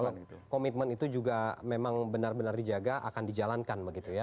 kalau komitmen itu juga memang benar benar dijaga akan dijalankan begitu ya